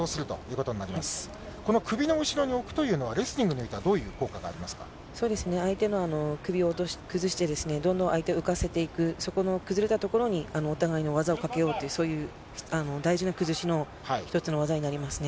この首の後ろに置くというのは、レスリングではどういう効果があ相手の首を崩して、どんどん相手を打たせていく、そこの崩れたところにお互いの技をかけようという、そういう大事な崩しの一つの技になりますね。